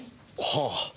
はあ。